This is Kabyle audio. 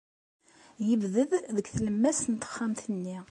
Yebded deg tlemmast n texxamt-nni.